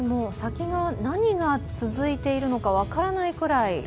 先が、何が続いているか分からないくらい。